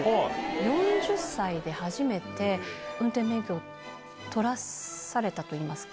４０歳で初めて、運転免許を取らされたといいますか。